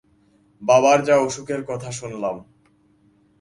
বাবার যা অসুখের কথা শুনলাম।